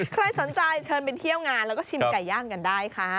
ใครสนใจเชิญไปเที่ยวงานแล้วก็ชิมไก่ย่างกันได้ค่ะ